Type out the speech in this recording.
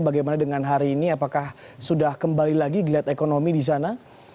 bagaimana dengan hari ini apakah sudah kembali lagi geliat ekonomi di sana